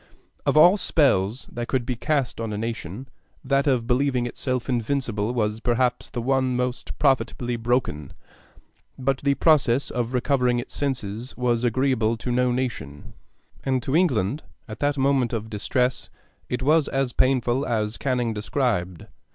Of all spells that could be cast on a nation, that of believing itself invincible was perhaps the one most profitably broken; but the process of recovering its senses was agreeable to no nation, and to England, at that moment of distress, it was as painful as Canning described.